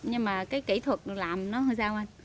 nhưng mà cái kỹ thuật làm nó sao anh